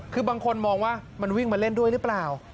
คือบางคนมองว่ามันวิ่งมาเล่นด้วยหรือเปล่า